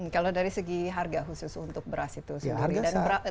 kalau dari segi harga khusus untuk beras itu sendiri